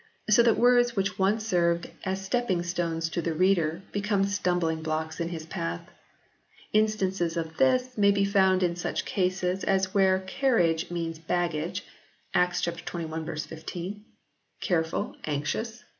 So that words which once served as stepping stones to the reader become stumbling blocks in his path. Instances of this may be found in such cases as where carriage means baggage (Acts xxi. 15) ; careful, anxious (Phil.